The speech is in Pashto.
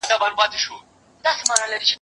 چي ژوندی وي د سړي غوندي به ښوري